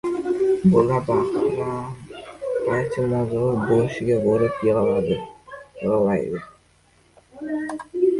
Bola-baqram qaysi mozorim boshiga borib yyg‘laydi?